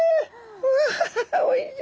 うわおいしい。